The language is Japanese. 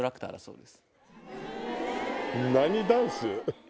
何ダンス？